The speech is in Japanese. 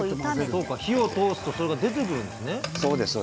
そうか、火を通すとそれが出てくるんですね。